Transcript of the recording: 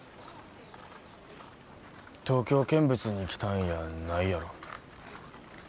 東京見物に来たんやないやろ？